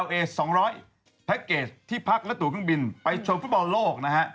เอส๒๐๐แพ็คเกจที่พักและตัวเครื่องบินไปชมฟุตบอลโลกนะฮะ